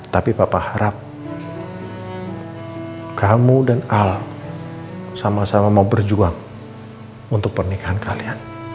tapi bapak harap kamu dan al sama sama mau berjuang untuk pernikahan kalian